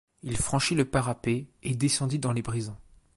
Il franchit le parapet et descendit dans les brisants.